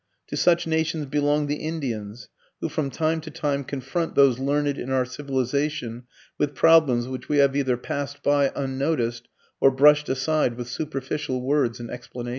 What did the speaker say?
To such nations belong the Indians, who from time to time confront those learned in our civilization with problems which we have either passed by unnoticed or brushed aside with superficial words and explanations.